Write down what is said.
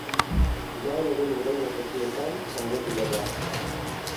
Gaur egun hurrengo tokietan daude bulegoak.